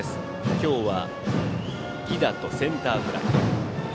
今日は犠打とセンターフライ。